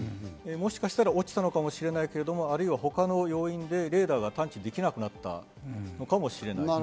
もしかしたら落ちたのかもしれないけど、あるいは他の要因でレーダーが探知できなくなったのかもしれない。